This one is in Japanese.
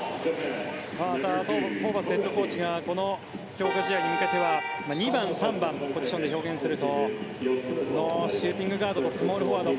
ホーバスヘッドコーチがこの強化試合に向けては２番、３番というポジションで表現するとシューティングガードとスモールフォワード。